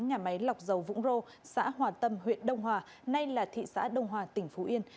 nhà máy lọc dầu vũng rô xã hòa tâm huyện đông hòa nay là thị xã đông hòa tỉnh phú yên